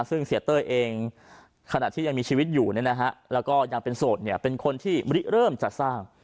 ซึ่งเสียเต้ยเองขณะที่ยังมีชีวิตอยู่แล้วก็ยังเป็นโสดเป็นคนที่เริ่มจะสร้าง